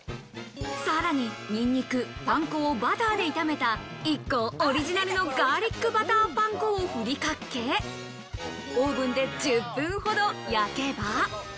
さらにニンニク、パン粉をバターで炒めたＩＫＫＯオリジナルのガーリックバターパン粉をふりかけ、オーブンで１０分ほど焼けば。